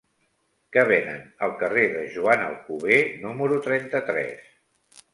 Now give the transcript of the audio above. Què venen al carrer de Joan Alcover número trenta-tres?